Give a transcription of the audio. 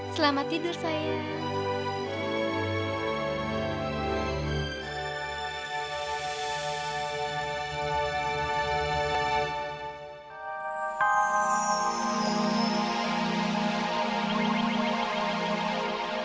selamat tidur sayang